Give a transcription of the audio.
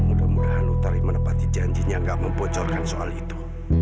mudah mudahan utari menepati janjinya gak mempocorkan soal itu